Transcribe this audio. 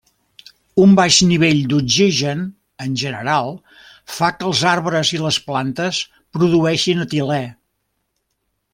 Un baix nivell d'oxigen, en general, fa que els arbres i les plantes produeixin etilè.